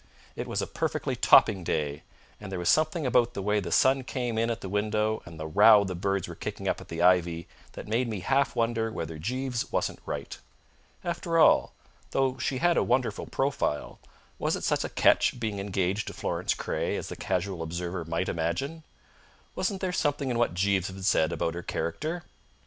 It was a perfectly topping day, and there was something about the way the sun came in at the window and the row the birds were kicking up in the ivy that made me half wonder whether Jeeves wasn't right. After all, though she had a wonderful profile, was it such a catch being engaged to Florence Craye as the casual observer might imagine? Wasn't there something in what Jeeves had said about her character?